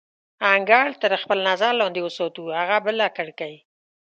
انګړ تر خپل نظر لاندې وساتو، هغه بله کړکۍ.